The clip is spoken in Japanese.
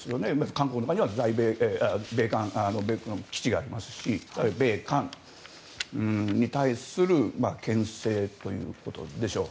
韓国の場合は基地がありますし米韓に対するけん制ということでしょう。